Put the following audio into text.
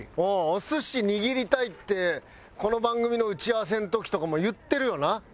お寿司握りたいってこの番組の打ち合わせの時とかも言ってるよな？